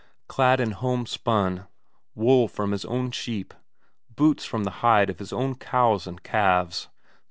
Clad in homespun wool from his own sheep, boots from the hide of his own cows and calves.